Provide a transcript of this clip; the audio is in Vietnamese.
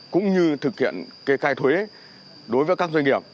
cũng như thực hiện cái cai thuế đối với các doanh nghiệp